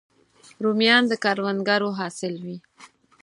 رومیان د کروندګرو حاصل وي